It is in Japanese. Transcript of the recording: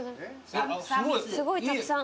すごいたくさん。